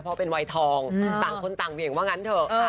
เพราะเป็นวัยทองต่างคนต่างเหวี่ยงว่างั้นเถอะ